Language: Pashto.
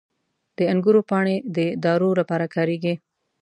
• د انګورو پاڼې د دارو لپاره کارېږي.